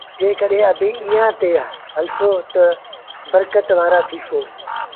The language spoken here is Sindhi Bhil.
جيڪڏهينٚ اڀيٚنٚ ايٚئآنٚ تي هلسو تا برڪت وآرآ ٿيٚسو۔